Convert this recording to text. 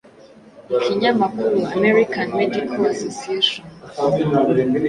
ikinyamakuru american medical association